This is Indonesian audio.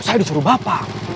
saya disuruh bapak